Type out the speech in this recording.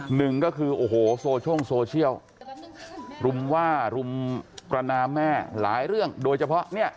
หนึ่งก็คือโอ้โหโซ่งโซเชียลรุมว่ารุมกระนามแม่หลายเรื่องโดยเฉพาะเนี่ย